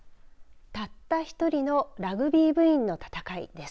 ”たった１人”のラグビー部員の闘いです。